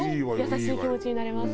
優しい気持ちになれます。